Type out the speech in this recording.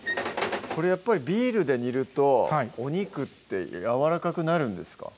これやっぱりビールで煮るとお肉ってやわらかくなるんですか？